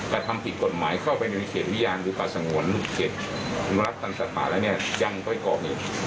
การทำผิดกฎหมายเข้าไปในวิญญาณหรือประสงวนลูกเก็บมรัฐตรรษฐภาและเนี่ยยังก้อยกรอบเอง